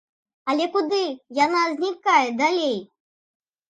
Але куды яна знікае далей?